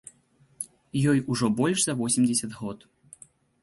Ёй ужо больш за восемдзесят год.